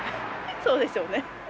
そうでしょうね。